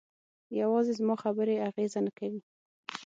یوازې زما خبرې اغېزه نه کوي.